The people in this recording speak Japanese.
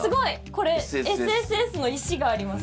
これＳＳＳの石があります。